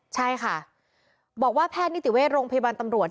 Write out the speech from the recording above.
ใช่ค่ะบอกว่าแพทย์นิติเวชโรงพยาบาลตำรวจ